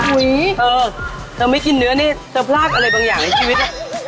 เออเธอไม่กินเนื้อนี่จะพลากอะไรบางอย่างในชีวิต